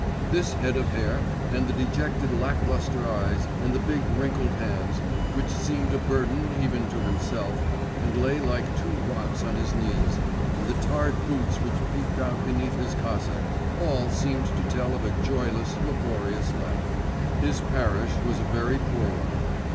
This head of hair, and the dejected lack lustre eyes, and the big wrinkled hands, which seemed a burden even to himself, and lay like two rocks on his knees, and the tarred boots which peeped out beneath his cassock, all seemed to tell of a joyless laborious life. His parish was a very poor one.